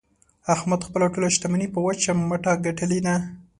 احمد خپله ټوله شمني په وچ مټه ګټلې ده.